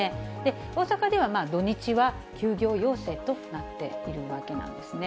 大阪では土日は休業要請となっているわけなんですね。